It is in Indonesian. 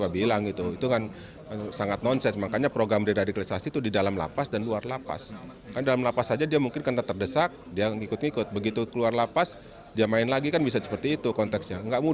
bapak komjen paul soehardi alius